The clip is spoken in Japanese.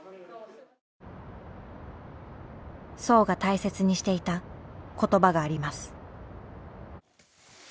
荘が大切にしていた言葉があります。